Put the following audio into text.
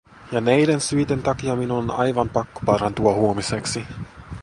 Ja näiden syiden takia minun on aivan pakko parantua huomiseksi.